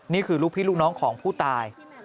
นี่คือลูกพี่ลูกน้องของผู้ตาย